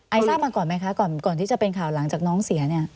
ทราบมาก่อนไหมคะก่อนที่จะเป็นข่าวหลังจากน้องเสียเนี่ย